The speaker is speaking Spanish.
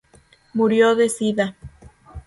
Murió de sida.